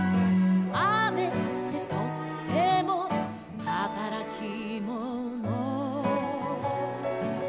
「雨ってとってもはたらきもの」